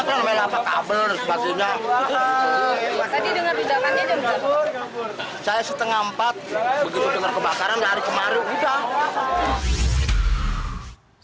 saya setengah empat begitu dengar kebakaran dari kemaru udah